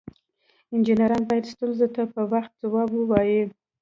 انجینران باید ستونزو ته په وخت ځواب ووایي.